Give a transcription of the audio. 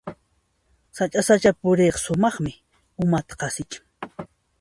Sacha-sachapi puriyqa sumaqmi, umata qasichin.